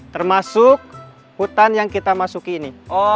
termasuk hutan yang kita masuki ini